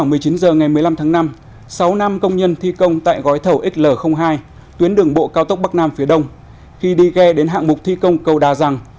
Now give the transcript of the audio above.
nhưng thi công tại gói thầu xl hai tuyến đường bộ cao tốc bắc nam phía đông khi đi ghe đến hạng mục thi công cầu đà rằng